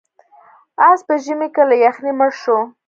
اس په ژمي کې له یخنۍ مړ شو.